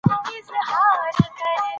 نفت د افغانستان د هیوادوالو لپاره ویاړ دی.